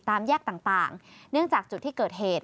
แยกต่างเนื่องจากจุดที่เกิดเหตุ